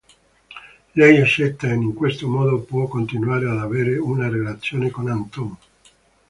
Lei accetta e in questo modo può continuare ad avere una relazione con Anton.